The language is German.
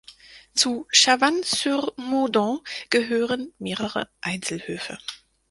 Zu Chavannes-sur-Moudon gehören mehrere Einzelhöfe.